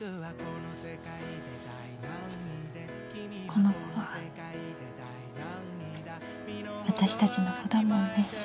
この子は私たちの子だもんね。